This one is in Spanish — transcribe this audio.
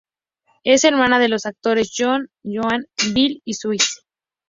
Es hermana de los actores John, Joan, Bill y Susie Cusack.